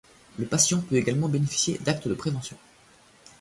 Le patient peut également bénéficier d'actes de prévention.